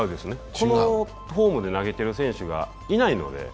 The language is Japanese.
このフォームで投げてる選手がいないので。